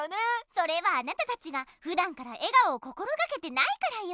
それはあなたたちがふだんから笑顔を心がけてないからよ。